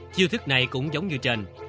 chiêu thức này cũng giống như trên